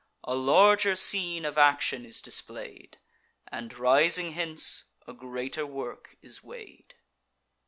A larger scene of action is display'd; And, rising hence, a greater work is weigh'd.